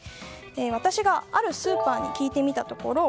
私があるスーパーに聞いてみたところ